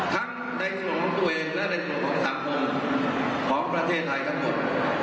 ในส่วนของตัวเองและในส่วนของทางเมืองของประเทศไทยทั้งหมด